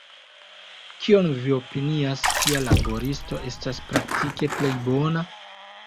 Kion vi opinias, kia laboristo estas praktike plej bona?